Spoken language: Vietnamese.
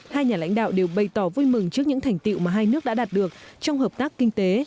hai nhà lãnh đạo đều bày tỏ vui mừng trước những thành tiệu mà hai nước đã đạt được trong hợp tác kinh tế